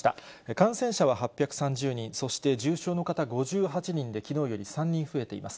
感染者は８３０人、そして重症の方５８人で、きのうより３人増えています。